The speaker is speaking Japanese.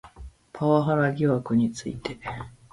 パワハラ疑惑について